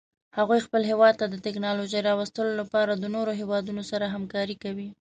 هغوی خپل هیواد ته د تکنالوژۍ راوستلو لپاره د نورو هیوادونو سره همکاري کوي